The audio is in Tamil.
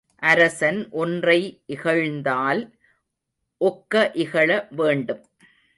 அரசன் ஒன்றை இகழ்ந்தால் ஒக்க இகழ வேண்டும்.